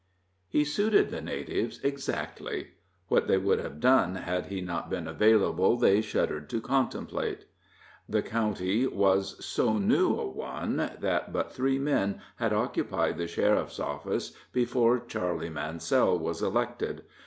He suited the natives exactly. What they would have done had he not been available, they shuddered to contemplate. The county was so new a one that but three men had occupied the sheriff's office before Charley Mansell was elected.